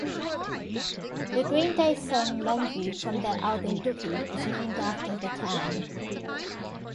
The Green Day song "Longview" from their album "Dookie" is named after the town.